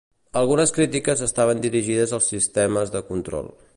Algunes crítiques estaven dirigides als sistemes de control.